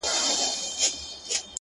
دا کتاب ختم سو نور. یو بل کتاب راکه.